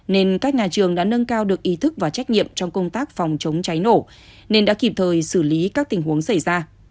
nên các nhà trường đã nâng cao được ý thức và trách nhiệm trong công tác phòng chống cháy nổ nên đã kịp thời xử lý các tình huống xảy ra